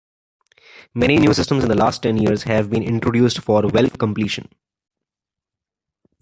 Many new systems in the last ten years have been introduced for well completion.